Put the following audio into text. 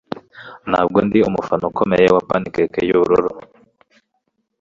Ntabwo ndi umufana ukomeye wa pancake yubururu.